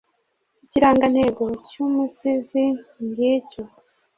ikirangantego cy'umusizi ngicyo